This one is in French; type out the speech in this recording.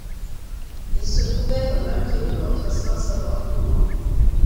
Ils se trouvèrent l’un près de l’autre sans savoir comment.